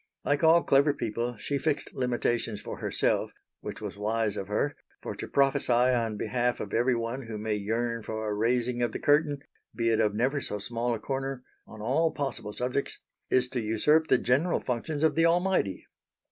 Like all clever people she fixed limitations for herself; which was wise of her, for to prophesy on behalf of every one who may yearn for a raising of the curtain, be it of never so small a corner, on all possible subjects, is to usurp the general functions of the Almighty.